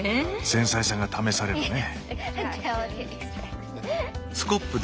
繊細さが試されるね。